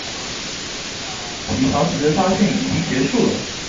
起床時發現已經結束了